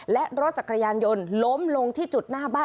และรถจักรยานยนต์ล้มลงที่จุดหน้าบ้าน